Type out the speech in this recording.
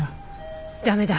駄目だ。